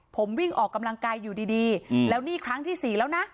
ผมวิ่งออกกำลังกายอยู่ดีแล้วนี่ครั้งที่สี่แล้วนะ